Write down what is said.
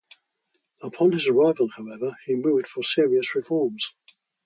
Upon his arrival, however, he moved for serious reforms.